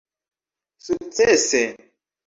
sukcese